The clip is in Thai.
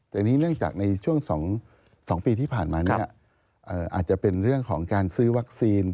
แต่ว่าในช่วงสองปีที่ผ่านมาอาจจะเป็นเรื่องของการซื้อวัคซีน